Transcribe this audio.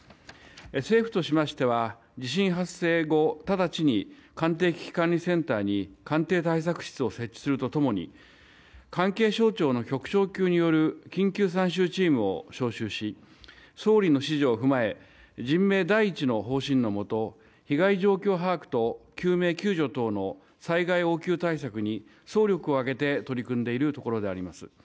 政府としましては地震発生後、直ちに官邸危機管理センターに官邸対策室を設置するとともに関係省庁の局長級による緊急参集チームを招集し総理の指示を踏まえ人命第一の方針のもと被害状況把握と救命救助等の災害応急対策に総力を挙げて取り組んでいるところであります。